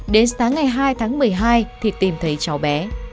đến sáng ngày hai tháng một mươi hai thì tìm thấy cháu bé